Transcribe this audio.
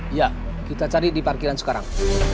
iya kita cari di parkiran sekarang